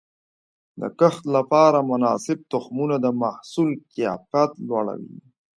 د کښت لپاره مناسب تخمونه د محصول کیفیت لوړوي.